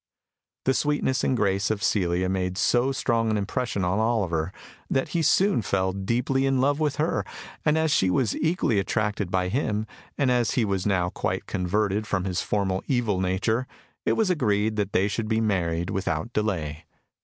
The sweetness and grace of Celia made so strong an impression on Oliver that he soon fell deeply in love with her, and as she was equally attracted by him, and as he was now quite converted from his former evil nature, it was agreed they should be married without delay.